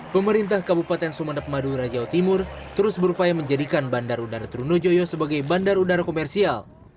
pemerintah kabupaten sumeneb madura jawa timur terus berupaya menjadikan bandar udara trunojoyo sebagai bandar udara komersial